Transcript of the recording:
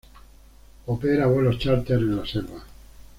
Opera vuelos chárter en la selva.